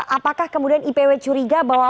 apakah kemudian ipw curiga bahwa